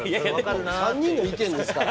３人の意見ですから。